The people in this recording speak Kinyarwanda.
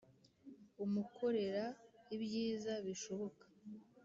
Umukorera ibyiza bishoboka